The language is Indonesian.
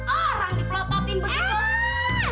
orang dipelototin begitu